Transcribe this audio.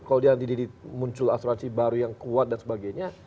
kalau dia nanti muncul asuransi baru yang kuat dan sebagainya